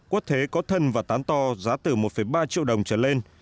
quất thế có thân và tán to giá từ một ba triệu đồng trở lên